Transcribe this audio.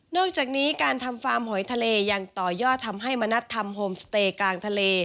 อกจากนี้การทำฟาร์มหอยทะเลยังต่อยอดทำให้มณัฐทำโฮมสเตย์กลางทะเล